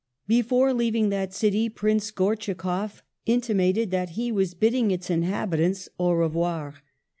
Before leaving that city Prince Gortschakoff intimated that he was bidding its inhabitants au revoir.